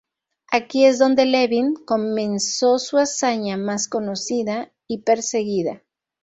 Aquí es donde Levin comenzó su hazaña más conocida y perseguida.